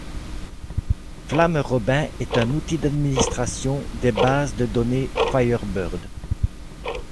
FlameRobin est un outil d'administration des bases de données Firebird.